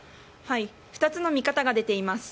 ２つの見方が出ています。